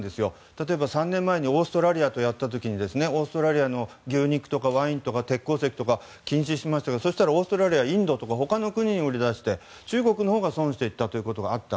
例えば３年前にオーストラリアとやった時にオーストラリアの牛肉やワイン鉄鉱石とか禁止しましたがそしたら、オーストラリアはインドとか他の国に売り出して中国のほうが損をしたということがあった。